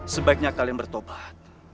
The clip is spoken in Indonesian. sebaiknya kalian bertobat